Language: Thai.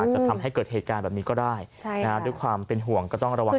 จะทำให้เกิดเหตุการณ์แบบนี้ก็ได้ด้วยความเป็นห่วงก็ต้องระวัง